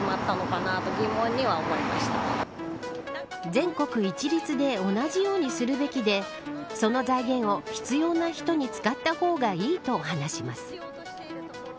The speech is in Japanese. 全国一律で同じようにするべきでその財源を、必要な人に使った方がいいと話します。